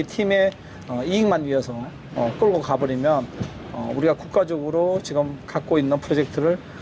tapi kita sudah menyiapkan proyek negara di world cup dua ribu dua puluh